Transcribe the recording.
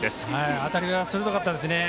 当たりが鋭かったですね。